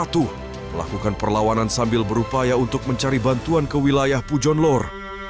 melakukan perlawanan sambil berupaya untuk mencari bantuan ke wilayah pujon lor